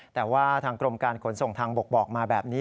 แต่ว่าทางกรมการขนส่งทางบกบอกมาแบบนี้